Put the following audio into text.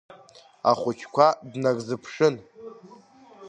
Ахәыҷқәа днарзыԥшын…